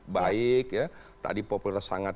baik tadi populer sangat